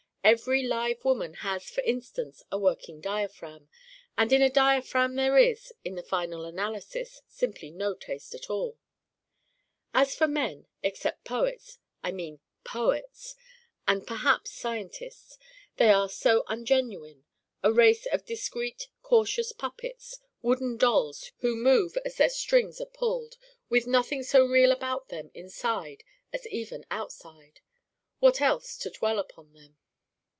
Every live woman has for instance a working diaphragm: and in a diaphragm there is, in the final analysis, simply no taste at all. (As for men except poets I mean poets: and perhaps scientists they are so ungenuine: a race of discreet cautious puppets: wooden dolls who move as their strings are pulled: with nothing so real about them inside as even outside what use to dwell upon them?)